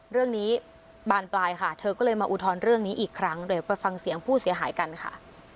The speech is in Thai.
บานปลายค่ะเธอก็เลยมาอุทธรณ์เรื่องนี้อีกครั้งเดี๋ยวไปฟังเสียงผู้เสียหายกันค่ะ